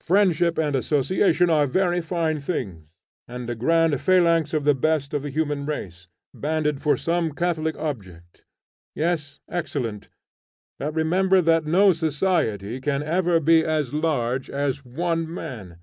Friendship and association are very fine things, and a grand phalanx of the best of the human race, banded for some catholic object; yes, excellent; but remember that no society can ever be so large as one man.